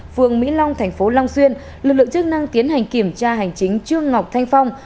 phường mỹ long thành phố long xuyên lực lượng chức năng tiến hành kiểm tra hành chính trương ngọc thanh phong